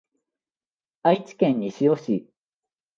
愛知県西尾市